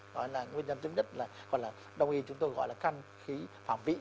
đó là nguyên nhân thứ nhất còn là đồng ý chúng tôi gọi là căn khí phạm vĩ